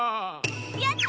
やった！